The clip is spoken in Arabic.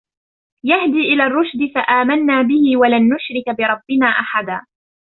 يهدي إلى الرشد فآمنا به ولن نشرك بربنا أحدا